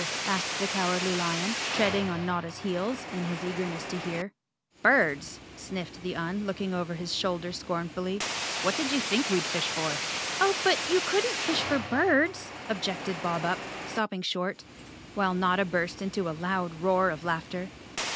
asked the Cowardly Lion, treading on Notta's heels in his eagerness to hear. "Birds," sniffed the Un, looking over his shoulder 136 Chapter Ten scornfully. "What did you think we'd fish fori" "Oh, but you couldn't fish for birds," objected Bob Up, stopping short, while Notta burst into a loud roar of laughter.